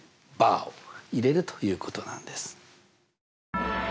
バーを入れるということなんです。